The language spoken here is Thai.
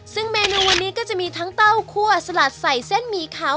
ซึ่งเมนูวันนี้ก็จะมีทั้งเต้าคั่วสลัดใส่เส้นหมี่ขาว